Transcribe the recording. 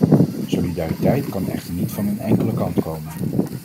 Solidariteit kan echter niet van een enkele kant komen.